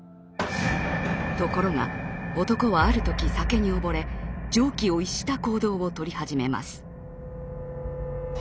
ところが男はある時酒に溺れ常軌を逸した行動をとり始めます。